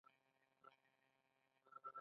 صورت جلسه چا لیکلې وي؟